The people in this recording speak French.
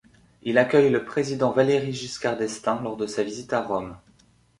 Il accueille le président Valéry Giscard d'Estaing lors de sa visite à Rome.